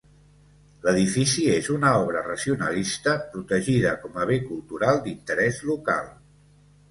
L'edifici és una obra racionalista protegida com a Bé Cultural d'Interès Local.